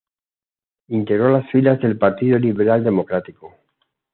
Integró las filas del Partido Liberal Democrático.